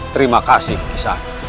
terima kasih kisah